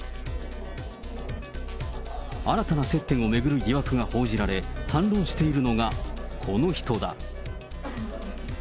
新たな接点を巡る疑惑が報じられ、反論しているのがこの人だ。